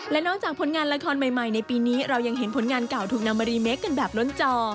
และนอกจากผลงานละครใหม่ในปีนี้เรายังเห็นผลงานเก่าถูกนำมารีเมคกันแบบล้นจอ